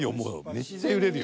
めっちゃ揺れるよ。